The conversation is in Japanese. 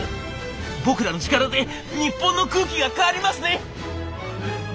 「僕らの力で日本の空気が変わりますね！」。